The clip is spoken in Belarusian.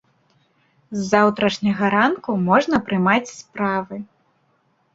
З заўтрашняга ранку можна прымаць справы.